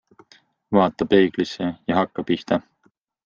Vaata peeglisse ja hakka pihta.